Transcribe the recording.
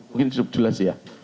mungkin cukup jelas ya